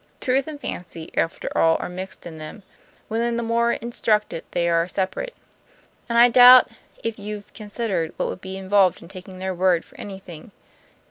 Truth and fancy, after all, are mixed in them, when in the more instructed they are separate; and I doubt if you have considered what would be involved in taking their word for anything.